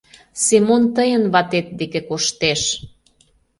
Семон тыйын ватет деке коштеш!..